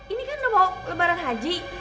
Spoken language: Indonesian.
ini kan udah mau ke lebaran haji